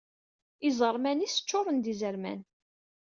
Iẓerman-is ččuren d izerman.